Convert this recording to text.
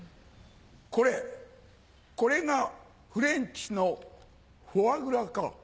これこれがフレンチのフォアグラか。